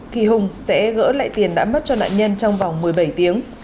thì hùng sẽ gỡ lại tiền đã mất cho nạn nhân trong vòng một mươi bảy tiếng